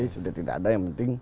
sudah tidak ada yang penting